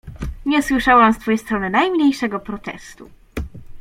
Nie słyszałam z twej strony najmniejszego protestu.